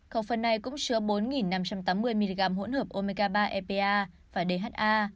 câu phần này cũng chứa bốn nghìn năm trăm tám mươi mg hỗn hợp omega ba epa và dha